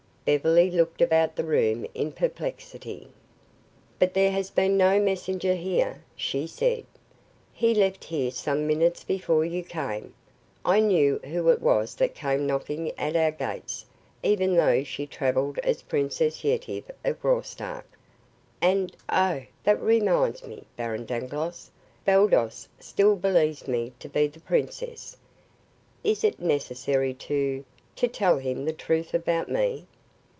Beverly looked about the room in perplexity. "But there has been no messenger here," she said. "He left here some minutes before you came. I knew who it was that came knocking at our gates, even though she traveled as Princess Yetive of Graustark." "And, oh! that reminds me, Baron Dangloss, Baldos still believes me to be the princess. Is it necessary to to tell him the truth about me?